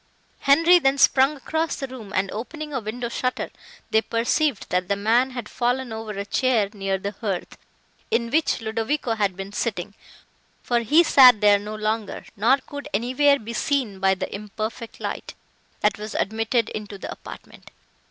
Henri then sprung across the room, and, opening a window shutter, they perceived, that the man had fallen over a chair near the hearth, in which Ludovico had been sitting;—for he sat there no longer, nor could anywhere be seen by the imperfect light, that was admitted into the apartment.